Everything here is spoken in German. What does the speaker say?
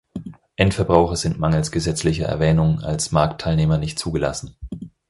Endverbraucher sind mangels gesetzlicher Erwähnung als Marktteilnehmer nicht zugelassen.